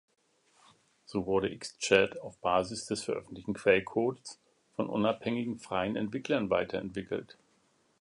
So wurde X-Chat, auf Basis des veröffentlichten Quellcodes, von unabhängigen freien Entwicklern weiterentwickelt.